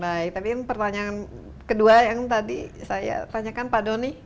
baik tapi pertanyaan kedua yang tadi saya tanyakan pak doni